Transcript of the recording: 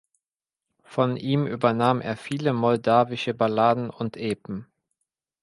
Von ihm übernahm er viele moldawische Balladen und Epen.